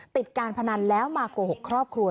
ติดการพนันแล้วมาโกหกครอบครัว